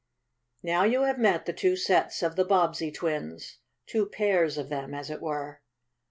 Now you have met the two sets of the Bobbsey twins two pairs of them as it were.